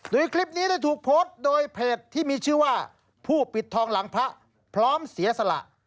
โดยคลิปนี้ได้ถูกโพสต์โดยเพจที่มีชื่อว่าผู้ปิดทองหลังพระพร้อมเสียสละ